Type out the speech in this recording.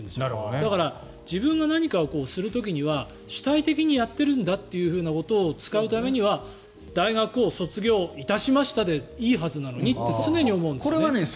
だから、自分が何かをする時には主体的にやってるんだということを使うためには大学を卒業いたしましたでいいはずなのにって常に思うんですよ。